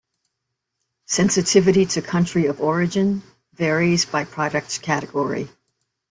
Sensitivity to country of origin varies by product category.